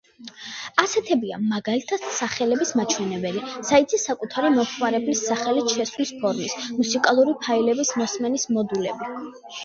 ასეთებია, მაგალითად, სიახლეების მაჩვენებელი, საიტზე საკუთარი მომხმარებლის სახელით შესვლის ფორმის, მუსიკალური ფაილების მოსმენის მოდულები.